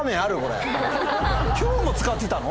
今日も使ってたの？